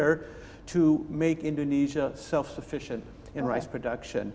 untuk membuat indonesia berkelanjutan dalam produksi nasi